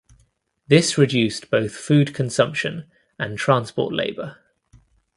This reduced both food consumption and transport labor.